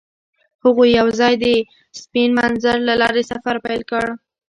هغوی یوځای د سپین منظر له لارې سفر پیل کړ.